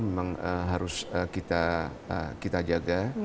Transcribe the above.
memang harus kita jaga